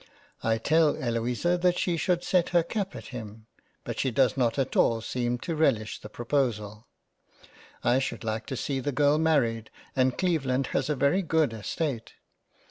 I tell Eloisa that she should set her cap at him, but she does not at all seem to relish the proposal. I should like to see the girl married and Cleveland has a very good estate.